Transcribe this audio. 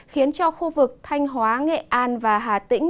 khiến cho khu vực thanh hóa nghệ an và hà tĩnh